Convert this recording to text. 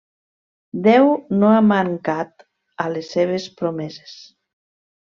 Déu no ha mancat a les seves promeses.